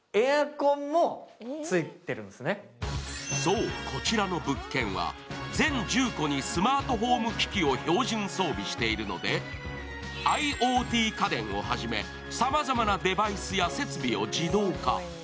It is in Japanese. そう、こちらの物件は全住戸にスマートホーム機器を装備しているのでＩｏＴ家電をはじめさまざまなデバイスや設備を自動化。